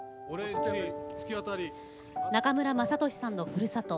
中村雅俊さんのふるさと